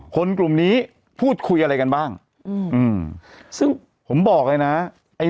กลุ่มนี้พูดคุยอะไรกันบ้างอืมซึ่งผมบอกเลยนะไอ้